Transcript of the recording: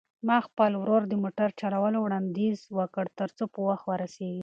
ما خپل ورور ته د موټر چلولو وړاندیز وکړ ترڅو په وخت ورسېږو.